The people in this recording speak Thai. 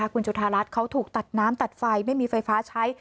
คุณจุธารัฐเขาถูกตัดน้ำตัดไฟไม่มีไฟฟ้าใช้